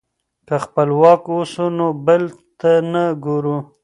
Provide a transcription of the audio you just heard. که خپلواک اوسو نو بل ته نه ګورو.